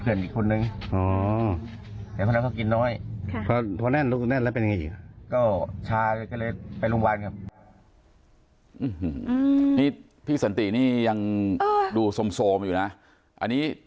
อือฮือฮือนี่พี่สัญฏียังดูโซมอยู่นะอันนี้